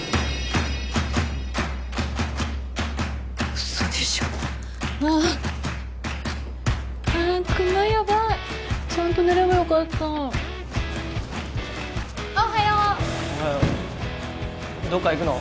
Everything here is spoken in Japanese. ウソでしょああああクマやばいちゃんと寝ればよかったあおはようおはようどっか行くの？